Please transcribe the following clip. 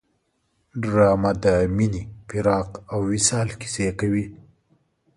ډرامه د مینې، فراق او وصال کیسې کوي